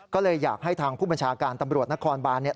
ก็เลยอยากให้ทางผู้บัญชาการตำรวจนครบานเนี่ย